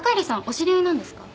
お知り合いなんですか？